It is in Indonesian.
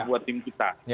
buat tim kita